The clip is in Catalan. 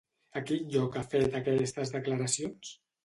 A quin lloc ha fet aquestes declaracions?